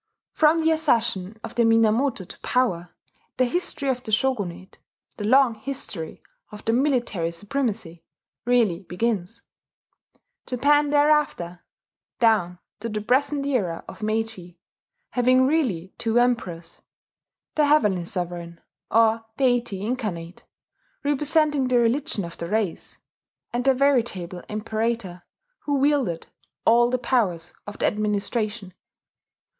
From the accession of the Minamoto to power the history of the shogunate the long history of the military supremacy really begins; Japan thereafter, down to the present era of Meiji, having really two Emperors: the Heavenly Sovereign, or Deity Incarnate, representing the religion of the race; and the veritable Imperator, who wielded all the powers of the administration.